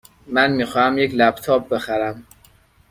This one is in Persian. من می خواهم یک لپ تاپ بخرم.